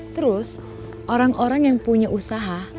terus orang orang yang punya usaha